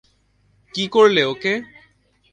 কী করলে ওকে?